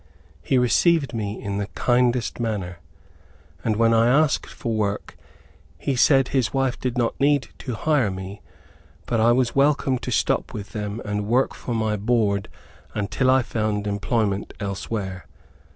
He received me in the kindest manner, and when I asked for work, he said his wife did not need to hire me, but I was welcome to stop with them and work for my board until I found employment elsewhere.